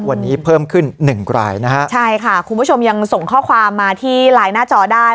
วันนี้เพิ่มขึ้นหนึ่งรายนะฮะใช่ค่ะคุณผู้ชมยังส่งข้อความมาที่ไลน์หน้าจอได้